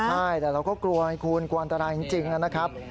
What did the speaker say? ใช่แต่เราก็กลัวไงคุณกลัวอันตรายจริงนะครับ